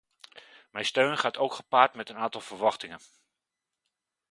Mijn steun gaat ook gepaard met een aantal verwachtingen.